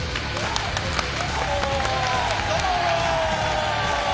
どうも。